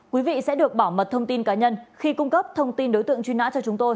quý vị sẽ được bảo mật thông tin cá nhân khi cung cấp thông tin đối tượng truy nã cho chúng tôi